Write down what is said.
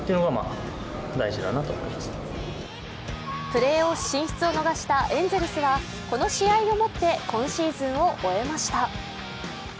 プレーオフ進出を逃したエンゼルスはこの試合をもって今シーズンを終えました。